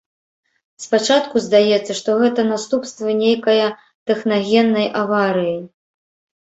Спачатку здаецца, што гэта наступствы нейкая тэхнагеннай аварыі.